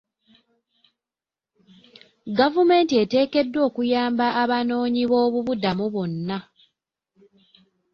Gavumenti eteekeddwa okuyamba abanoonyiboobubudamu bonna.